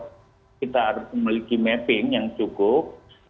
kita harus memiliki mapping yang cukup